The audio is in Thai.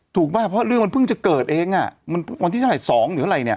ป่ะเพราะเรื่องมันเพิ่งจะเกิดเองอ่ะมันวันที่เท่าไหร่๒หรืออะไรเนี่ย